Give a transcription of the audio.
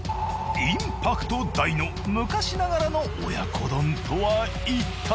インパクト大の昔ながらの親子丼とはいったい？